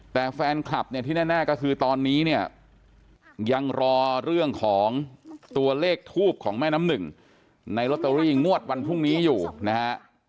แต่แฟนคลับเนี่ยที่แน่ก็คือตอนนี้เนี่ยยังรอเรื่องของตัวเลขทูบของแม่น้ำหนึ่งในลอตเตอรี่งวดวันพรุ่งนี้อยู่นะฮะ